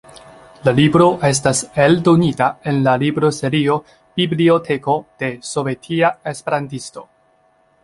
La libro estas eldonita en la libroserio "Biblioteko de Sovetia Esperantisto"